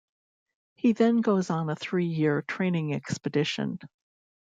He then goes on a three-year training expedition.